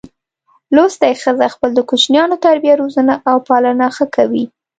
لوستي ښځه خپل د کوچینیانو تربیه روزنه پالنه ښه کوي.